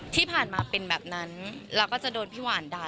ที่ผ่านมาเป็นแบบนั้นแล้วก็จะโดนพี่หวานด่า